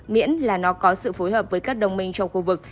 miễn là nó có sự phối hợp với các đồng minh trong khu vực